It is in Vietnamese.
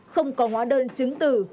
không có hóa đơn chứng từ